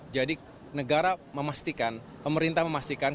jadi negara memastikan pemerintah memastikan